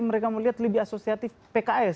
mereka melihat lebih asosiatif pks